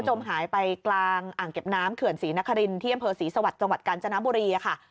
จมหายไปกลางอ่างเก็บน้ำเขื่อนศรีนครินที่อำเภอศรีสวรรค์จังหวัดกาญจนบุรีค่ะ